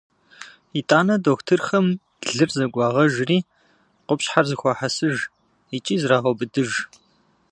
Итӏанэ дохутырхэм лыр зэгуагъэжри, къупщхьэр зэхуахьэсыж икӏи зрагъэубыдыж.